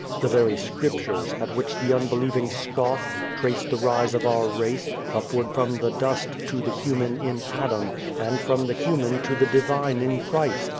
The very Scriptures, at which the unbelieving scoff, trace the rise of our race, upward from the dust, to the human in Adam, and from the human to the Divine in Christ.